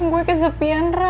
gue kesepian ra